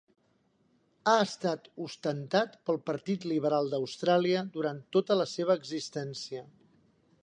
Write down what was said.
Ha estat ostentat pel Partit Liberal d'Austràlia durant tota la seva existència.